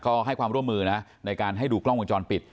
เขาให้ความร่วมมือนะในการให้ดูกล้องวงจรปิด